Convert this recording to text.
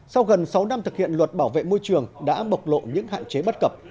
sau gần sáu năm thực hiện luật bảo vệ môi trường đã bộc lộ những hạn chế bất cập